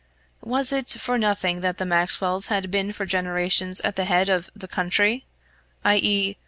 Was it for nothing that the Maxwells had been for generations at the head of the "county," i.e.